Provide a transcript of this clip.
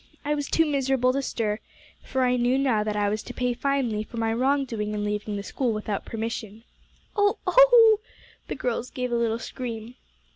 I was too miserable to stir, for I knew now that I was to pay finely for my wrong doing in leaving the school without permission." "Oh oh!" the girls gave a little scream.